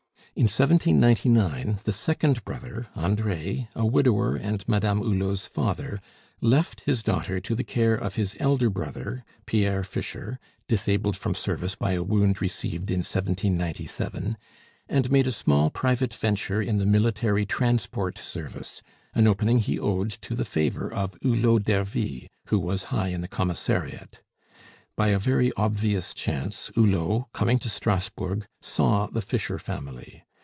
In 1799 the second brother, Andre, a widower, and Madame Hulot's father, left his daughter to the care of his elder brother, Pierre Fischer, disabled from service by a wound received in 1797, and made a small private venture in the military transport service, an opening he owed to the favor of Hulot d'Ervy, who was high in the commissariat. By a very obvious chance Hulot, coming to Strasbourg, saw the Fischer family.